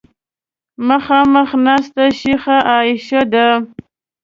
مخامخ ناسته شیخه عایشه ده.